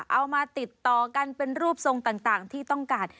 เอามาติดต่อกันเป็นรูปทรงต่างที่ต้องการ